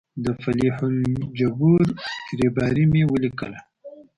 د فلیح الجبور ریباري مې ولیکه.